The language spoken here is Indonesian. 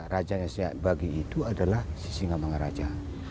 raja nasyabaghi itu adalah si singamangaraja